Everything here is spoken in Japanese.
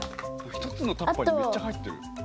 １つのタッパーにめっちゃ入ってる。